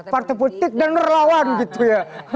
partai politik dan relawan gitu ya